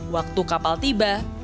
waktu kapal tiba